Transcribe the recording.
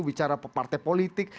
bicara partai politik